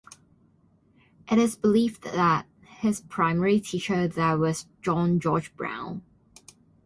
It is believed that his primary teacher there was John George Brown.